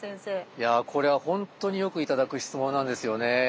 いやこれは本当によく頂く質問なんですよね。